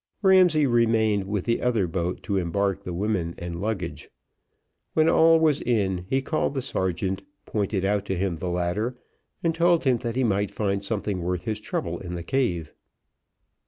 Ramsay remained with the other boat to embark the women and luggage; when all was in, he called the sergeant, pointed out to him the ladder, and told him that he might find something worth his trouble in the cave.